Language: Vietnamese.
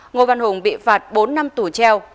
ngô văn hùng bị phạt bốn năm tù treo